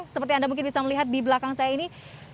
seperti anda mungkin bisa melihat di belakang saya ini